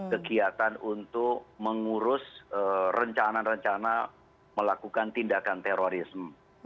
kegiatan untuk mengurus rencana rencana melakukan tindakan terorisme